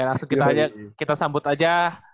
langsung kita sambut aja